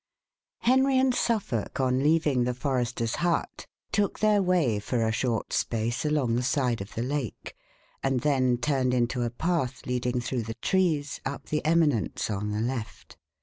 Henry and Suffolk, on leaving the forester's hut, took their way for a sort space along the side of the lake, and then turned into a path leading through the trees up the eminence on the left.